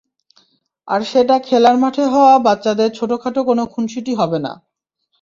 আর সেটা খেলার মাঠে হওয়া বাচ্চাদের ছোটখাটো কোনো খুনসুটি হবে না।